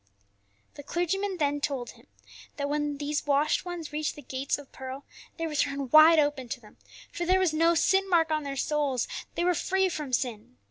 The clergyman told them, that when these washed ones reached the gates of pearl, they were thrown wide open to them, for there was no sin mark on their souls, they were free from sin.